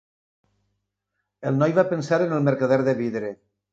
El noi va pensar en el mercader de vidre.